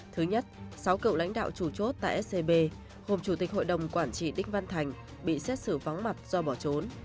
thứ nhất sáu cựu lãnh đạo chủ chốt tại scb gồm chủ tịch hội đồng quản trị đích văn thành bị xét xử vắng mặt do bỏ trốn